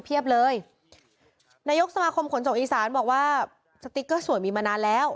เพียบเลยนายกสมาคมขนส่งอีสานบอกว่าสติ๊กเกอร์สวยมีมานานแล้ว